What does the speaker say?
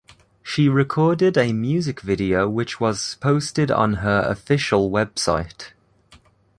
She recorded a music video which was posted on her official website.